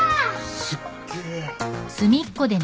すっげえ。